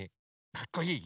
かっこいい！